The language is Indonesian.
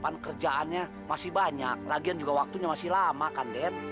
lapangan kerjaannya masih banyak lagian juga waktunya masih lama kan den